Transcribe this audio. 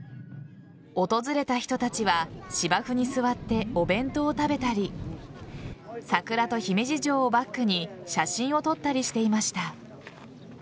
訪れた人たちは芝生に座ってお弁当を食べたり桜と姫路城をバックに写真を撮ったりしていました。